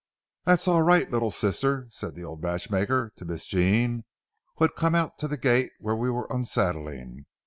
"That's all right, little sister," said the old matchmaker to Miss Jean, who had come out to the gate where we were unsaddling.